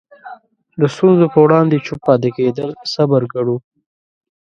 د ستونزو په وړاندې چوپ پاتې کېدل صبر ګڼو.